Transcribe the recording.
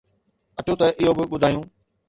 اچو ته اهو به ٻڌايو